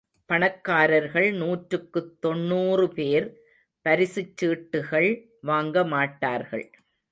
பணக்காரர்கள் நூற்றுக்குத் தொண்ணுறு பேர் பரிசுச் சீட்டுகள் வாங்கமாட்டார்கள்.